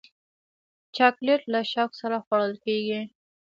چاکلېټ له شوق سره خوړل کېږي.